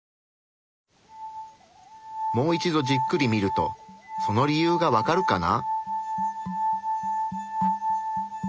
もう一度じっくり見るとその理由がわかるかな？